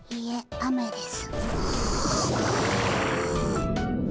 雨です！